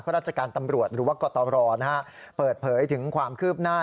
ราชการตำรวจหรือว่ากตรเปิดเผยถึงความคืบหน้า